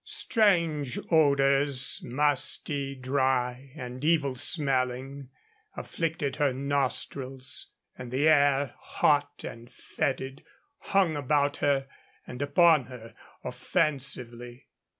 Strange odors musty, dry, and evil smelling afflicted her nostrils; and the air, hot and fetid, hung about her and upon her offensively.